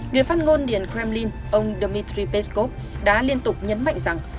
người phát ngôn điện kremlin ông dmitry peskov đã liên tục nhấn mạnh rằng